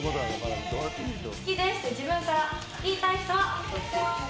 好きですって自分から言いたい人！